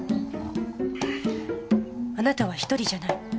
「あなたは一人じゃない。